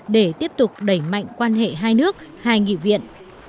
để tiếp tục đẩy mạnh quan hệ hai nước hai nghị viện